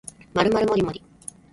まるまるもりもり